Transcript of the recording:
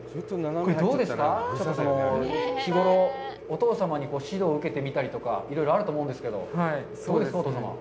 これ、どうですか、日ごろ、お父様に指導を受けてみたりとか、いろいろあると思うんですけど、どうですか、お父様は？